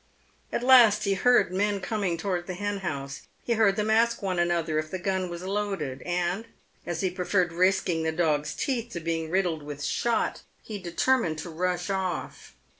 At last he heard men coming towards the hen house. He heard them ask one another if the gun was loaded, and, as he preferred risking the dog's teeth to being riddled with shot, he determined to rush off.